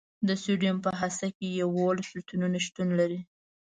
د سوډیم په هسته کې یوولس پروتونونه شتون لري.